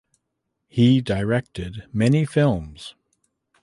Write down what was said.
He directed many films.